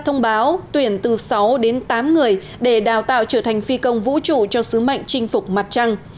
thông báo tuyển từ sáu đến tám người để đào tạo trở thành phi công vũ trụ cho sứ mệnh chinh phục mặt trăng